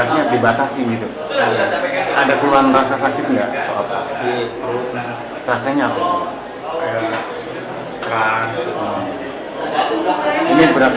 ini berat badannya berapa kamu